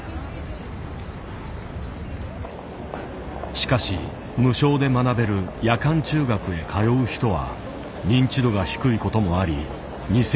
しかし無償で学べる夜間中学へ通う人は認知度が低いこともあり２，０００